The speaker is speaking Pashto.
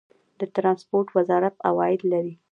د ټرانسپورټ وزارت عواید لري؟